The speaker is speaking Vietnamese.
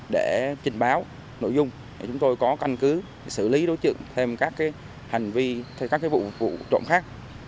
để trình báo nội dung để chúng tôi có căn cứ xử lý đối tượng thêm các hành vi các vụ vụ trộm khác